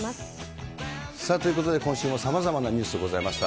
さあ、ということで今週もさまざまなニュースがございました。